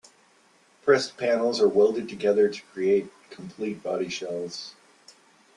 Pressed-panels are welded together to create complete body shells.